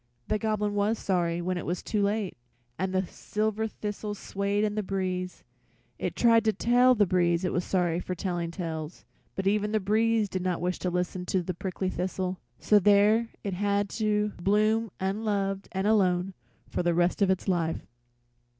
The Goblin was sorry when it was too late, and the silver thistle swayed in the breeze. It tried to tell the breeze it was sorry for telling tales, but even the breeze did not wish to listen to a prickly thistle, so there it had to bloom unloved and alone the rest of its life.